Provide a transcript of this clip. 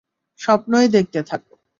স্বপ্নই দেখতে থাক।